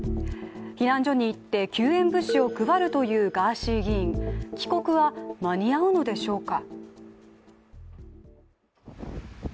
避難所に行って救援物資を配るというガーシー議員、帰国は間に合うのでしょうか？